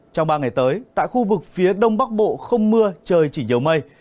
trong ba ngày tới tại khu vực phía đông bắc bộ không mưa trời chỉ nhiều mây